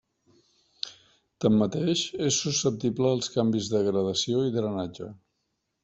Tanmateix, és susceptible als canvis de gradació i drenatge.